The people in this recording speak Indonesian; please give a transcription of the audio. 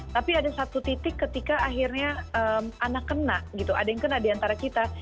tapi ada satu titik ketika akhirnya anak kena gitu ada yang kena diantara kita